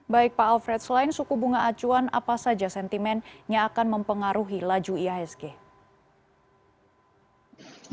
baik pak alfred selain suku bunga acuan apa saja sentimen yang akan mempengaruhi laju ihsg